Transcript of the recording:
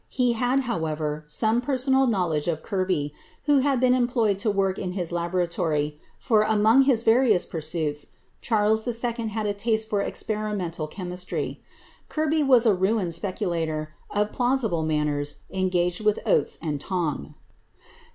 He had, however, some personal knowledge of Kirby, 'ho had been employed to work in his laboratory, for, among his Ta OU8 pursuits, Charles II. had a taste for experimental chemistry. Kirby ms ft ruined speculator, of plausible manners, engaged with Oates and ong.'